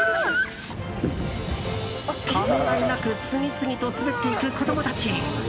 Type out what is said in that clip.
ためらいなく次々と滑っていく子供たち。